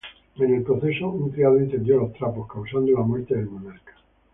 En el proceso un criado incendió los trapos, causando la muerte del monarca.